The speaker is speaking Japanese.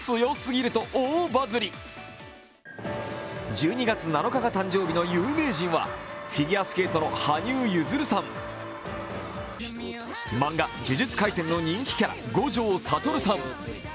１２月７日が誕生日の有名人はフィギュアスケートの羽生結弦さん、漫画「呪術廻戦」の人気キャラ五条悟さん。